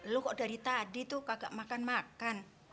lo kok dari tadi tuh kagak makan makan